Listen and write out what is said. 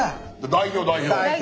代表代表。